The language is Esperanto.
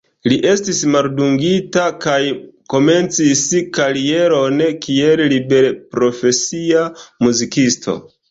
Li estis maldungita kaj komencis karieron kiel liberprofesia muzikisto.